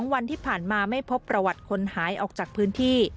วันที่ผ่านมาไม่พบประวัติคนหายออกจากพื้นที่